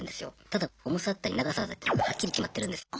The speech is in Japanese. ただ重さだったり長さだったりがはっきり決まってるんです。